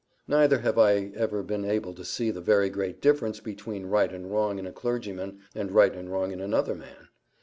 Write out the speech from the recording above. Neither have I ever been able to see the very great difference between right and wrong in a clergyman, and right and wrong in another man.